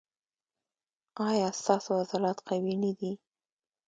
ایا ستاسو عضلات قوي نه دي؟